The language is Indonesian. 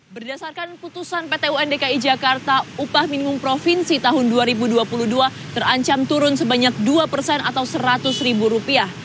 berdasarkan putusan pt un dki jakarta upah minimum provinsi tahun dua ribu dua puluh dua terancam turun sebanyak dua persen atau seratus ribu rupiah